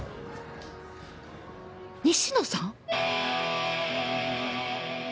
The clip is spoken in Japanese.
西野さん？